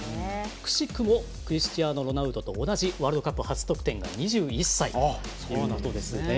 くしくもクリスチアーノ・ロナウドと同じワールドカップ初得点が２１歳ということですね。